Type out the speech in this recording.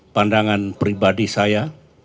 pandangan pribadi saya